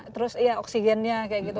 terus iya oksigennya kayak gitu